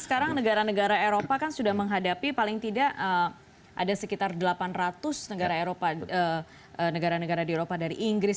sekarang negara negara eropa kan sudah menghadapi paling tidak ada sekitar delapan ratus negara negara di eropa dari inggris